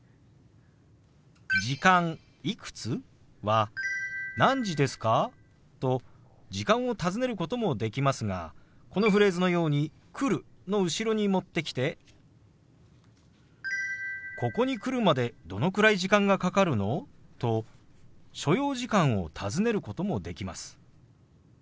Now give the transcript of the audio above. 「時間いくつ？」は「何時ですか？」と時間を尋ねることもできますがこのフレーズのように「来る」の後ろに持ってきて「ここに来るまでどのくらい時間がかかるの？」と所要時間を尋ねることもできます。